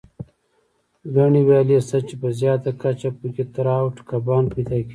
ګڼې ویالې شته، چې په زیاته کچه پکې تراوټ کبان پیدا کېږي.